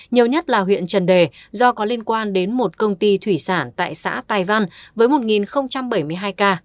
nhiều nhất là huyện trần đề do có liên quan đến một công ty thủy sản tại xã tài văn với một bảy mươi hai ca